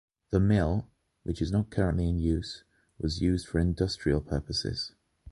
The mill, which is not currently in use, was used for industrial purposes.